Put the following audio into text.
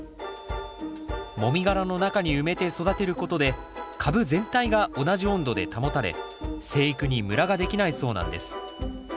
もみ殻の中に埋めて育てることで株全体が同じ温度で保たれ生育にムラができないそうなんです。